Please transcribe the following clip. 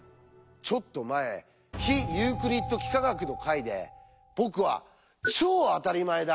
ちょっと前「非ユークリッド幾何学」の回で僕は「超当たり前だ！」